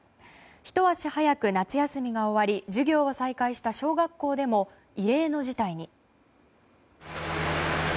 ひと足早く夏休みが終わり授業を再開した小学校でも、異例の事態に。